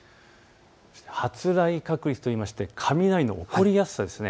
そして発雷確率といって雷の起こりやすさです。